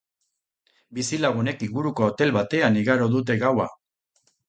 Bizilagunek inguruko hotel batean igaro dute gaua.